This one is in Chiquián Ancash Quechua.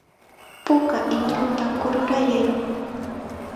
Puka hiluta kururayay.